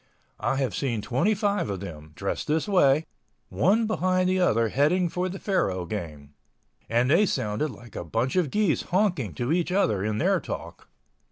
I have seen 25 of them, dressed this way, one behind the other heading for the faro game—and they sounded like a bunch of geese honking to each other in their talk.